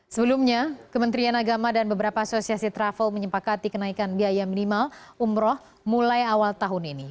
sebelumnya kementerian agama dan beberapa asosiasi travel menyepakati kenaikan biaya minimal umroh mulai awal tahun ini